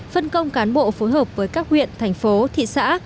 phân công cán bộ phối hợp với các huyện thành phố thị xã